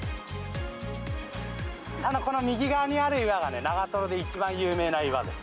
この右側にある岩がね、長瀞で一番有名な岩です。